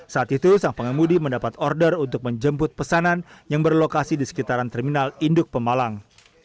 saat itu sang pengemudi mendapat order untuk menjemput pesanan yang berlokasi di sekitaran terminal induk pemalang